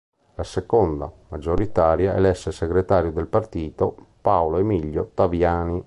La seconda, maggioritaria, elesse Segretario del partito Paolo Emilio Taviani.